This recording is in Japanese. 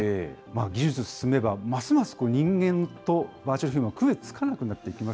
技術進めば、ますます人間とバーチャルヒューマン、区別つかなくなっていきま